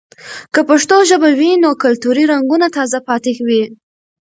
که پښتو ژبه وي، نو کلتوري رنګونه تازه پاتې وي.